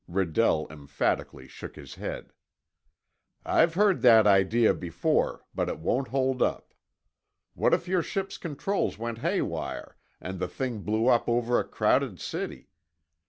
Redell emphatically shook his head. "I've heard that idea before, but it won't hold up. What if your ship's controls went haywire and the thing blew up over a crowded city?